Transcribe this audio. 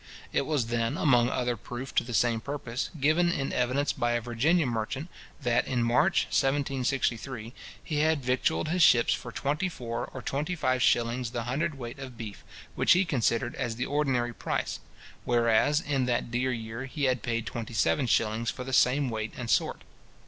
It was then, among other proof to the same purpose, given in evidence by a Virginia merchant, that in March 1763, he had victualled his ships for twentyfour or twenty five shillings the hundred weight of beef, which he considered as the ordinary price; whereas, in that dear year, he had paid twenty seven shillings for the same weight and sort.